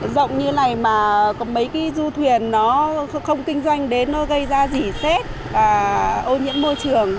thì rộng như này mà có mấy cái du thuyền nó không kinh doanh đến nó gây ra gì xét và ô nhiễm môi trường